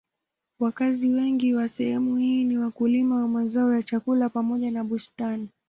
Wakazi wengi wa sehemu hii ni wakulima wa mazao ya chakula pamoja na bustani.